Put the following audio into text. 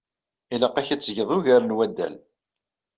Ilaq-ak ad tgeḍ ugar n waddal.